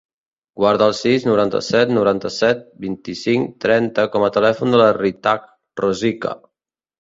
Guarda el sis, noranta-set, noranta-set, vint-i-cinc, trenta com a telèfon de la Ritaj Rosique.